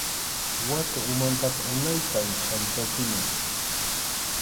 Waka umantaqa unaytam chhallchachina.